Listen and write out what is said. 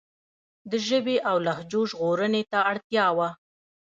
د ژبې او لهجو ژغورنې ته اړتیا وه.